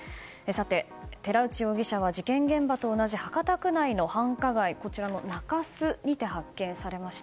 寺内容疑者は事件現場と同じ博多区内の繁華街中洲にて発見されました。